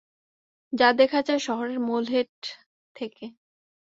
যা দেখা যায় শহরের মোলহেড থেকে।